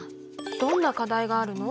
どんな課題があるの？